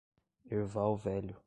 Erval Velho